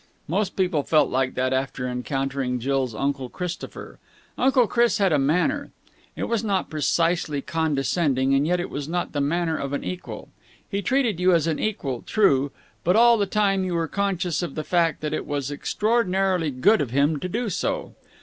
Most people felt like that after encountering Jill's Uncle Christopher. Uncle Chris had a manner. It was not precisely condescending, and yet it was not the manner of an equal. He treated you as an equal, true, but all the time you were conscious of the fact that it was extraordinarily good of him to do so.